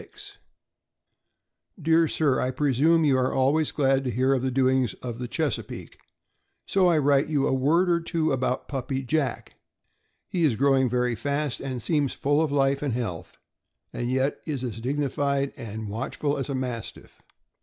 1 1 Dear Sir: I presume you are always glad to hear of the doings of the Chesapeake, so I write you a word or two about the puppy Jack. 4 'He is growing very fast and seems full of life and health, and yet is as dignified and watchful as a Mastiff.